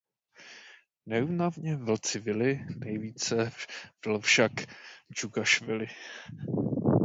Neúnavně vlci vyli, nejvíc vyl však Džugašvili.